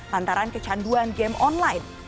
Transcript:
lantaran kecanduan game online